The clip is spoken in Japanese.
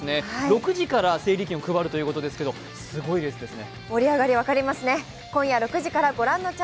６時から整理券を配るということですけど、すごい列ですね。